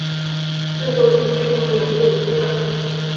制作成员和原作一样。